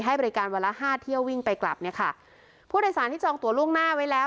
ให้บริการวันละห้าเที่ยววิ่งไปกลับเนี่ยค่ะผู้โดยสารที่จองตัวล่วงหน้าไว้แล้ว